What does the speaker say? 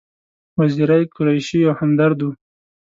وزیری، قریشي او همدرد و.